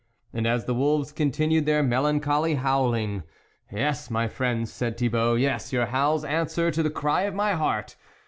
And as the wolves continued their melancholy howling :" Yes, my friends," said Thibault, " yes, your howls answer to the cry of my heart.